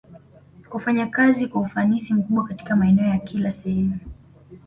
Kufanya kazi kwa ufanisi mkubwa Katika maeneo ya kila Sehemu